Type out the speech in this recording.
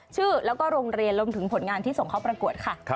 ชื่อแล้วก็โรงเรียนรวมถึงผลงานที่ส่งเข้าประกวดค่ะ